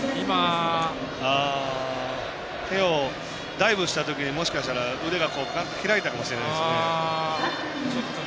ダイブした時にもしかしたら、腕がガッて開いたかもしれないですね。